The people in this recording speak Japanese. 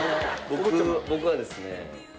僕僕はですね